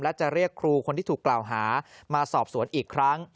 และจะเรียกครูคนที่ถูกกล่าวหามาสอบสวนอีกครั้ง